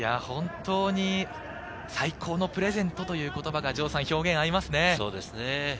「最高のプレゼント」という言葉が、表現合いますね。